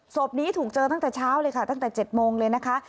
ศพนี้ถูกเจอตั้งแต่เช้าเลยค่ะตั้งแต่๗โมงเลยนะคะ